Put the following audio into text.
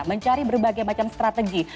mencari berbagai macam strategi